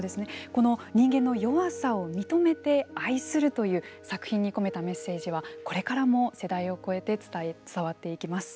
この人間の弱さを認めて愛するという作品に込めたメッセージはこれからも世代を越えて伝わっていきます。